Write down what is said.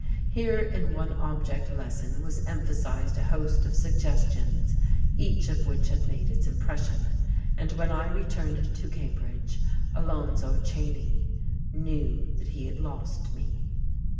Here in one object lesson was emphasized a host of suggestions each of which had made its impression. And when I returned to Cambridge Alonzo Cheyne knew that he had lost me....